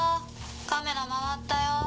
カメラ回ったよ。